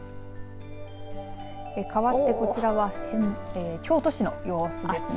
かわってこちらは京都市の様子ですね。